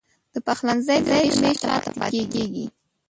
د پخلنځي د میز شاته پاته کیږې